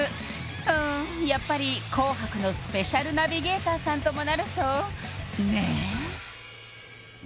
うんやっぱり「紅白」のスペシャルナビゲーターさんともなるとねえ